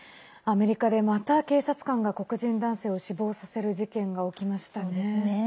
アメリカで、また警察官が黒人男性を死亡させる事件が起きましたね。